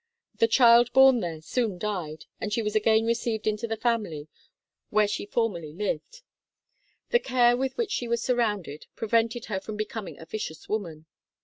The child born there soon died, and she was again received into the family where she for merly lived. The care with which she was surrounded prevented her from becoming a vicious woman.